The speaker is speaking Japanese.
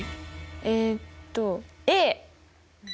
えっと！